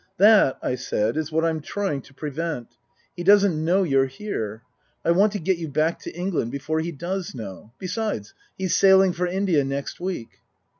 " That," I said, " is what I'm trying to prevent. He doesn't know you're here. I want to get you back to England before he does know. Besides he's sailing for India next week."